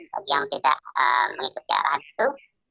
bagi yang tidak mengikuti arahan itu